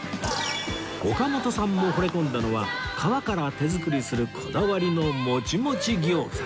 岡本さんも惚れ込んだのは皮から手作りするこだわりのモチモチ餃子